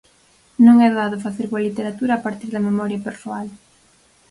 Non é doado facer boa literatura a partir da memoria persoal.